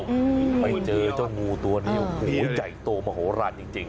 โอ้โหไปเจอเจ้างูตัวนี้โอ้โหใหญ่โตมโหลานจริงจริง